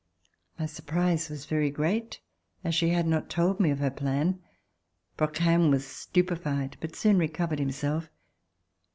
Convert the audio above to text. My surprise was very great as she had not told me of her plan. Brouquens was stupified but soon recovered himself.